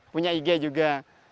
punya ig juga